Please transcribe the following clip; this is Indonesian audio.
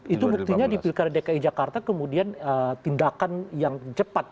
itu buktinya di pilkada dki jakarta kemudian tindakan yang cepat